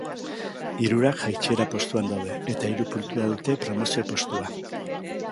Hirurak jaitsiera postuan daude eta hiru puntura dute promozio postua.